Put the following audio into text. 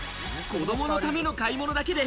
子供のための買い物だけで、